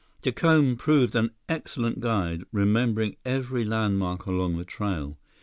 Jacome proved an excellent guide, remembering every landmark along the trail.